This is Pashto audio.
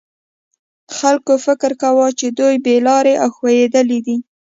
خلکو فکر کاوه چې دوی بې لارې او ښویېدلي دي.